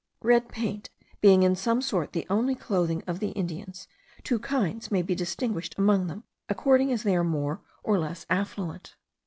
Red paint being in some sort the only clothing of the Indians, two kinds may be distinguished among them, according as they are more or less affluent.